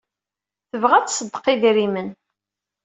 Tebɣa ad tṣeddeq idrimen.